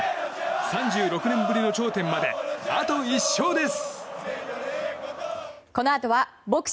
３６年ぶりの頂点まであと１勝です。